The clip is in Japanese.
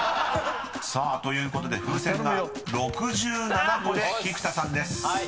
［さあということで風船が６７個で菊田さんです］